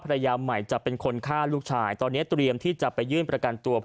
ภรรยาใหม่จะเป็นคนฆ่าลูกชายตอนนี้เตรียมที่จะไปยื่นประกันตัว